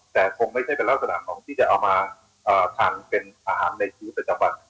แต่คงไม่ใช่เป็นลักษณะของที่จะเอามาทานเป็นอาหารในชีวิตประจำวัน